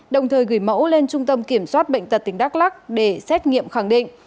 đồng thời gửi mẫu lên trung tâm kiểm soát bệnh tật tỉnh đắk lắc để xét nghiệm khẳng định